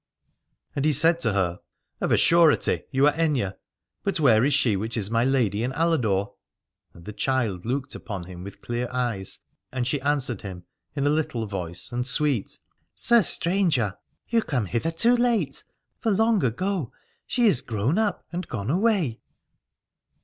And he said to her : Of a surety you are Aithne : but where is she which is my lady in Aladore ? And the child looked upon him with clear eyes, and she answered him in a little voice and sweet : Sir Stranger, you come 282 Aladore hither too late : for long ago she is grown up and gone away.